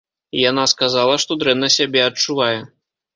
Яна сказала, што дрэнна сябе адчувае.